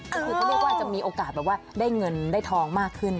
ก็คือเขาเรียกว่าจะมีโอกาสแบบว่าได้เงินได้ทองมากขึ้น